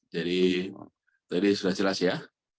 jadi sudah jelas ya